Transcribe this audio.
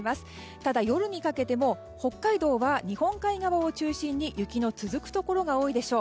ただ、夜にかけても北海道は日本海側を中心に雪の続くところが多いでしょう。